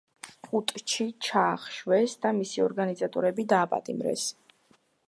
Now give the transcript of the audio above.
პუტჩი ჩაახშვეს და მისი ორგანიზატორები დააპატიმრეს.